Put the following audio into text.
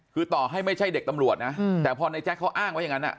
คือต่อให้ไม่ใช่เด็กตำรวจนะแต่พอในแจ๊คเขาอ้างไว้อย่างนั้น